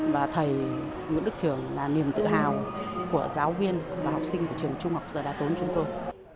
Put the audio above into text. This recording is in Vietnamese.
và thầy nguyễn đức trường là niềm tự hào của giáo viên và học sinh của trường trung học giờ đại tốn chúng tôi